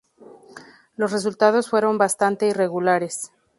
Los resultados fueron bastante irregulares.